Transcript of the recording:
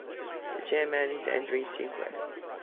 The chairman is Andrew Sinclair.